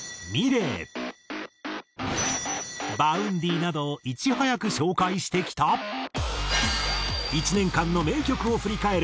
などをいち早く紹介してきた１年間の名曲を振り返る